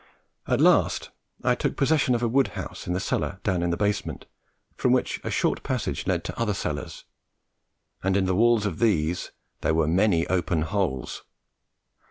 At last I took possession of a wood house in a cellar down in the basement, from which a short passage led to other cellars, and in the walls of these there were many open holes.